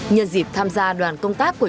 nhân dịp tham gia đoàn công tác của